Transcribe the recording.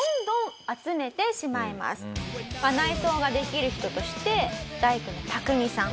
内装ができる人として大工のタクミさん。